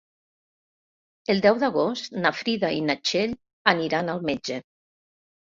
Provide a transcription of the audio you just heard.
El deu d'agost na Frida i na Txell aniran al metge.